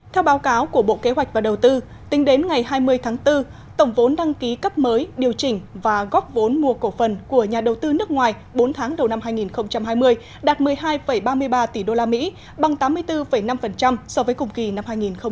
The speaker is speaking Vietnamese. theo báo cáo của bộ kế hoạch và đầu tư tính đến ngày hai mươi tháng bốn tổng vốn đăng ký cấp mới điều chỉnh và góp vốn mua cổ phần của nhà đầu tư nước ngoài bốn tháng đầu năm hai nghìn hai mươi đạt một mươi hai ba mươi ba tỷ usd bằng tám mươi bốn năm so với cùng kỳ năm hai nghìn một mươi chín